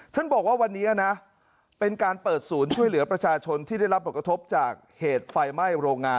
บอกว่าวันนี้นะเป็นการเปิดศูนย์ช่วยเหลือประชาชนที่ได้รับผลกระทบจากเหตุไฟไหม้โรงงาน